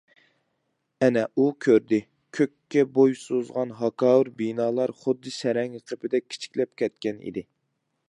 ئەنە ئۇ كۆردى، كۆككە بوي سوزغان ھاكاۋۇر بىنالار خۇددى سەرەڭگە قېپىدەك كىچىكلەپ كەتكەن ئىدى.